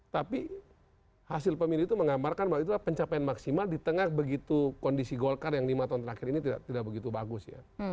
tapi hasil pemilih itu menggambarkan bahwa itu pencapaian maksimal di tengah begitu kondisi golkar yang lima tahun terakhir ini tidak begitu bagus ya